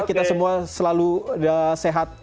kita semua selalu sehat